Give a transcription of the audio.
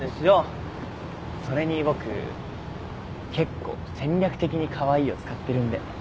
それに僕結構戦略的にカワイイを使ってるんで。